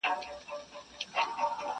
دې تورو سترګو ته دي وایه،